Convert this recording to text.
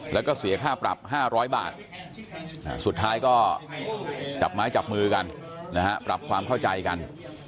แล้วก็เสียค่าปรับ๕๐๐บาทสุดท้ายก็จับไม้จับมือกันนะฮะปรับความเข้าใจกัน